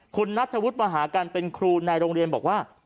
คุณนัทธวุฒิมหากันเป็นครูในโรงเรียนบอกว่า